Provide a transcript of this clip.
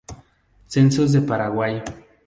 Censos de Paraguay